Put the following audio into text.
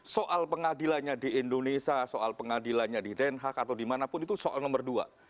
soal pengadilannya di indonesia soal pengadilannya di denhak atau dimanapun itu soal nomor dua